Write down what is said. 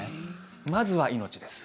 まずは命です。